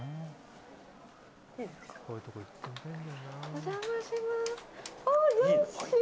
お邪魔します。